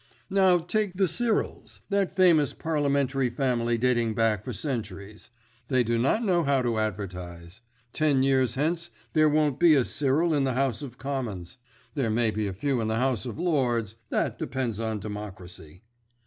"Now take the Cyrils, that famous Parliamentary family dating back for centuries. They do not know how to advertise. Ten years hence there won't be a Cyril in the House of Commons. There may be a few in the House of Lords—that depends on democracy.